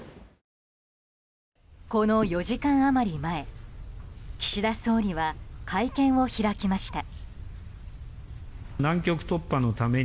この４時間余り前岸田総理は会見を開きました。